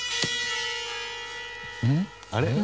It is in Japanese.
あれ？